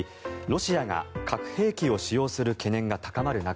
ロシアが核兵器を使用する懸念が高まる中